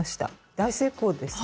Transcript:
大成功ですね。